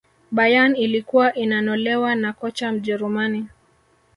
bayern ilkuwa inanolewa na kocha mjerumani